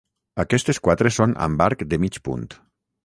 Aquestes quatre són amb arc de mig punt.